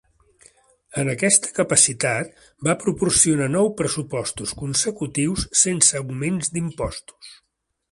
En aquesta capacitat, va proporcionar nou pressupostos consecutius sense augments d'impostos.